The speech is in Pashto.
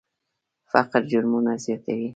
فقر جرمونه زیاتوي.